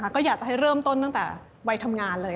ก็อยากจะให้เริ่มต้นตั้งแต่วัยทำงานเลย